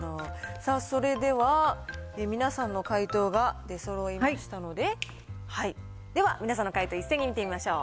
さあ、それでは皆さんの解答が出そろいましたので、では、皆さんの解答、一斉に見てみましょう。